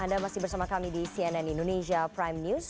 anda masih bersama kami di cnn indonesia prime news